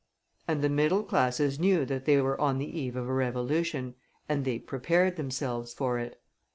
And the middle classes knew that they were on the eve of a revolution, and they prepared themselves for it.